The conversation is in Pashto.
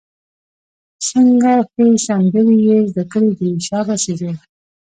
څنګه ښې سندرې یې زده کړې دي، شابسي زویه!